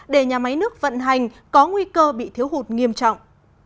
để nhà máy nước vận hành có nguy cơ bị thiếu hụt nghiêm trọng